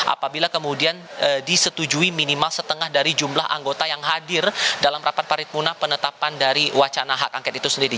apabila kemudian disetujui minimal setengah dari jumlah anggota yang hadir dalam rapat paripurna penetapan dari wacana hak angket itu sendiri